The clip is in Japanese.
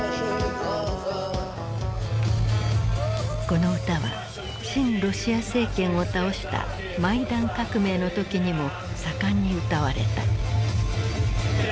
この歌は親ロシア政権を倒したマイダン革命の時にも盛んに歌われた。